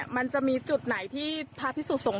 มันจะมีจุดไหนที่พระพิสุสงฆ